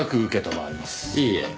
いいえ。